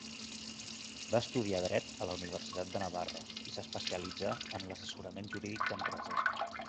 Va estudiar dret a la Universitat de Navarra i s'especialitzà en l'assessorament jurídic d'empreses.